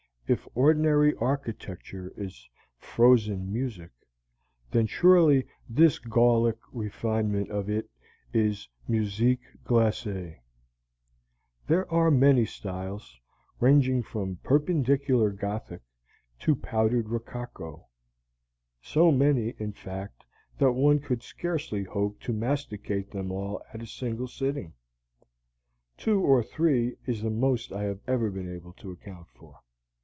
If ordinary architecture is "frozen music," then surely this Gallic refinement of it is "musique glacée." There are many styles, ranging from Perpendicular Gothic to Powdered Rococo so many, in fact, that one could scarcely hope to masticate them all at a single sitting. (Two or three is the most I have ever been able to account for.)